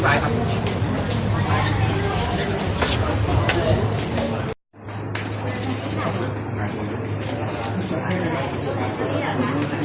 ด้วยการจากใช้สัตว์นี้มีคลิกเวลา๒๐ลิงแบบนี้